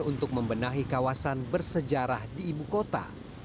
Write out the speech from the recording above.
untuk membenahi kawasan bersejarah di ibu kota